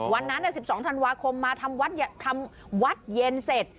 วันนั้น๑๒ธันวาคมมาทำวัดเย็นเสร็จ